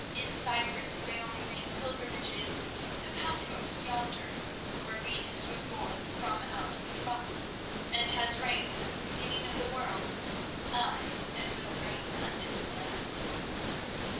In Cyprus they only make pilgrimages to Paphos yonder, where Venus was born from out the foam, and has reigned since the beginning of the world—ay, and will reign until its end."